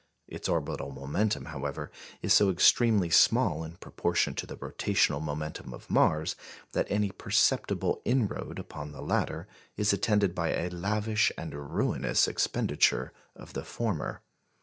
Its orbital momentum, however, is so extremely small in proportion to the rotational momentum of Mars, that any perceptible inroad upon the latter is attended by a lavish and ruinous expenditure of the former.